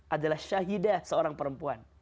adalah syahidah seorang perempuan